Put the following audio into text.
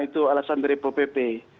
itu alasan dari ppp